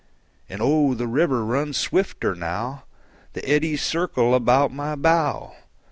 And oh, the river runs swifter now; The eddies circle about my bow.